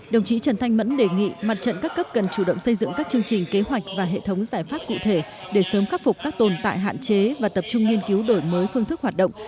đồng chí trần thanh mẫn đề nghị mặt trận các cấp cần chủ động xây dựng các chương trình kế hoạch và hệ thống giải pháp cụ thể để sớm khắc phục các tồn tại hạn chế và tập trung nghiên cứu đổi mới phương thức hoạt động